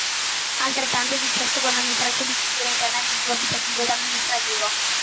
Altrettanto è successo con ogni traccia di struttura interna di tipo abitativo ed amministrativo.